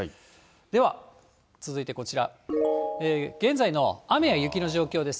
では続いてこちら、現在の雨や雪の状況です。